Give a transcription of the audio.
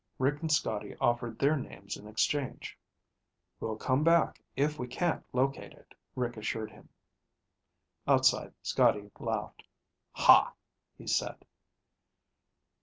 Rick and Scotty offered their names in exchange. "We'll come back if we can't locate it," Rick assured him. Outside, Scotty laughed. "Haw!" he said.